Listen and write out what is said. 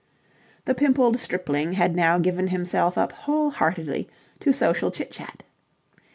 The pimpled stripling had now given himself up wholeheartedly to social chit chat.